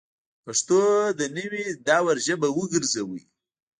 پښتو د نوي دور ژبه وګرځوئ